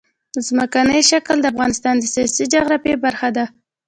ځمکنی شکل د افغانستان د سیاسي جغرافیه برخه ده.